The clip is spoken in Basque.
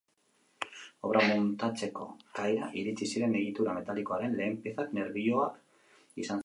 Obra muntatzeko kaira iritsi ziren egitura metalikoaren lehen piezak nerbioak izan ziren.